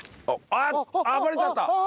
あっバレちゃった！